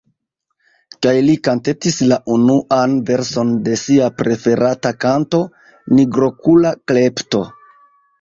Kaj li kantetis la unuan verson de sia preferata kanto: Nigrokula Klepto.